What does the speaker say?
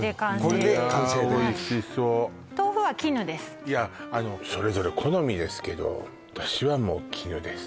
これで完成ですいやおいしそう豆腐は絹ですいやそれぞれ好みですけど私はもう絹です